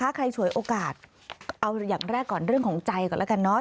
ใครฉวยโอกาสเอาอย่างแรกก่อนเรื่องของใจก่อนแล้วกันเนาะ